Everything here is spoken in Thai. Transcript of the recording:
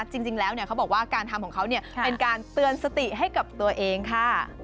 จริงแล้วเขาบอกว่าการทำของเขาเป็นการเตือนสติให้กับตัวเองค่ะ